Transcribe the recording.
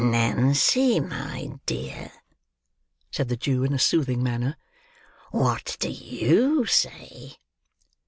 "Nancy, my dear," said the Jew in a soothing manner, "what do you say?"